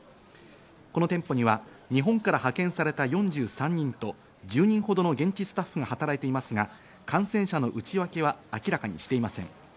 この店舗には日本から派遣された４３人と１０人ほどの現地スタッフが働いていますが、感染者の内訳は明らかにしていません。